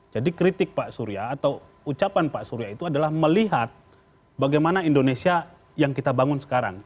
jadi kritik pak surya atau ucapan pak surya itu adalah melihat bagaimana indonesia yang kita bangun sekarang